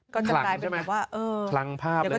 ก็ตลายไปหลังภาพเลย